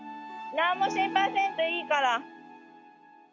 なんも心配せんといいから。